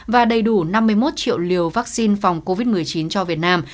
và đầy đủ năm mươi một triệu liều vaccine phòng covid một mươi chín cho việt nam